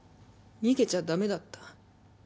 逃げちゃ駄目だった。